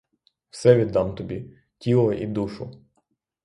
Все віддам тобі, тіло і душу.